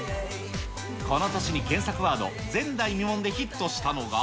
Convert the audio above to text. この年に検索ワード、前代未聞でヒットしたのが。